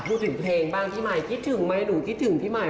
พูดถึงเพลงบ้างพี่ใหม่คิดถึงไหมหนูคิดถึงพี่ใหม่